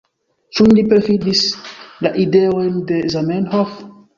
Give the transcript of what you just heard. Ĉu ili perfidis la ideojn de Zamenhof?